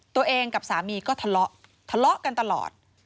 ตัวเองกับสามีก็ทะเลาะทะเลาะกันตลอด